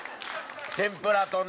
天ぷらとね